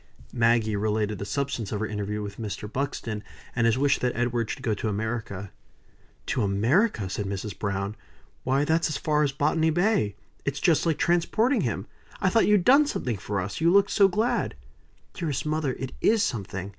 Maggie related the substance of her interview with Mr. Buxton, and his wish that Edward should go to America. "To America!" said Mrs. Browne. "Why that's as far as Botany Bay. It's just like transporting him. I thought you'd done something for us, you looked so glad." "Dearest mother, it is something.